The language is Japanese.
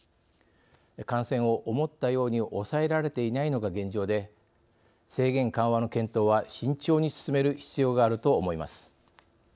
感染を思ったように抑えられていないのが現状で制限緩和の検討は慎重に進める必要があると思います。